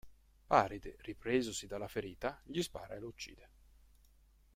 Paride, ripresosi dalla ferita, gli spara e lo uccide.